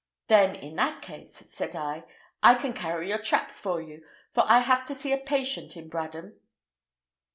"Then, in that case," said I, "I can carry your traps for you, for I have to see a patient in Bradham."